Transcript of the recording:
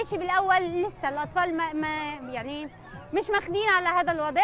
ketika kita berjalan jalan anak anak terpaksa bergerak